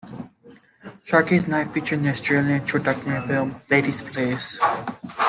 "Sharkey's Night" featured in the Australian short documentary film "Ladies Please!